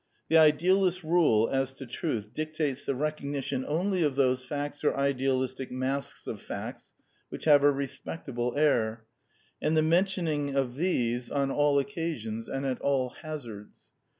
The idealist rule as to truth dictates the recognition only of those facts or idealistic masks of facts which have a re spectable air, and the mentioning of these on all 88 The Quintessence of Ibsenism occasions and at all hazards.